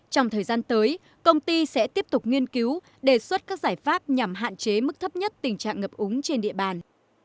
trong thời gian tới công ty sẽ tiếp tục nghiên cứu đề xuất các giải pháp nhằm hạn chế mức thấp nhất tình trạng ngập úng trên địa bàn